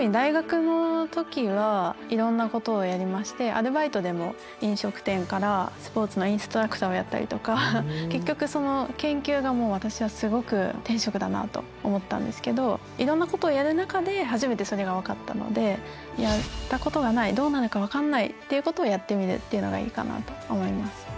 特にアルバイトでも飲食店からスポーツのインストラクターをやったりとか結局その研究がもう私はすごく天職だなと思ったんですけどいろんなことをやる中で初めてそれが分かったのでやったことがないどうなるか分かんないっていうことをやってみるっていうのがいいかなと思います。